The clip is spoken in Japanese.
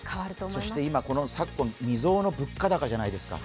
そして昨今、未曾有の物価高じゃないですか。